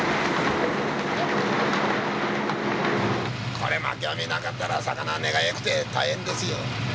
これまき網なかったら魚は値がよくて大変ですよ。